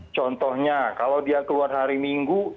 contohnya kalau dia keluar hari minggu itu beda